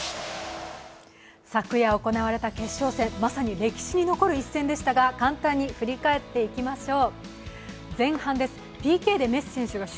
昨夜行われた決勝戦、まさに歴史に残る一戦でしたが、簡単に振り返っていきましょう。